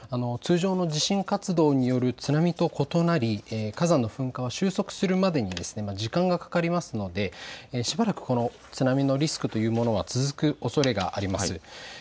通常の地震活動による津波と異なり火山の噴火は収束するまでに時間がかかりますのでしばらく、この津波のリスクというものは続くおそれがあります。